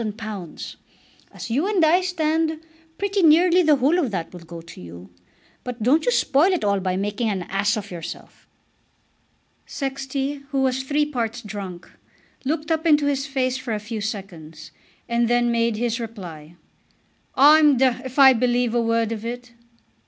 As you and I stand, pretty nearly the whole of that will go to you. But don't you spoil it all by making an ass of yourself." Sexty, who was three parts drunk, looked up into his face for a few seconds, and then made his reply. "I'm d d if I believe a word of it."